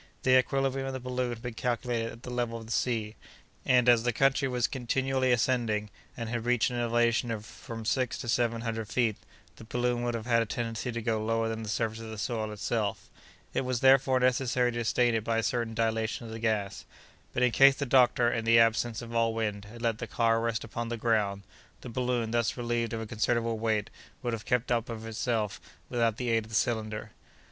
The equilibrium of the balloon had been calculated at the level of the sea; and, as the country was continually ascending, and had reached an elevation of from six to seven hundred feet, the balloon would have had a tendency to go lower than the surface of the soil itself. It was, therefore, necessary to sustain it by a certain dilation of the gas. But, in case the doctor, in the absence of all wind, had let the car rest upon the ground, the balloon, thus relieved of a considerable weight, would have kept up of itself, without the aid of the cylinder.